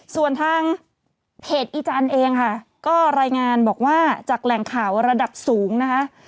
ส่วนทางเพจอีจันทร์เองค่ะก็รายงานบอกว่าจากแหล่งข่าวระดับสูงนะคะ